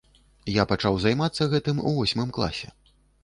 Я пачаў займацца гэтым у восьмым класе.